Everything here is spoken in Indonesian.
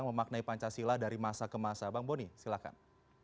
memaknai pancasila dari masa ke masa bang boni silahkan